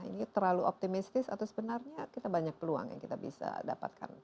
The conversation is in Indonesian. ini terlalu optimistis atau sebenarnya kita banyak peluang yang kita bisa dapatkan